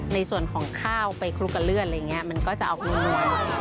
ในส่วนของข้าวไปคลุกกับเลือดอะไรอย่างนี้มันก็จะเอานวล